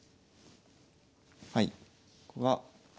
はい。